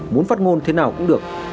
muốn phát ngôn thế nào cũng được